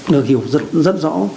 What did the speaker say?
được hiểu rất rõ